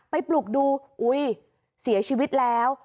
ปลุกดูอุ้ยเสียชีวิตแล้ว